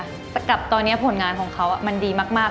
แต่กับตอนนี้ผลงานของเขามันดีมาก